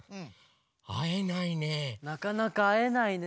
なかなかあえないね。